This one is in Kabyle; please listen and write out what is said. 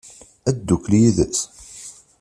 Ad teddukel yid-s?